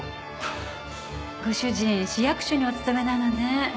ご主人市役所にお勤めなのね。